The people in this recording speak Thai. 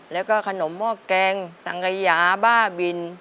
แล้วก็ขนมหม้อแกงสังขยาบ้าบิน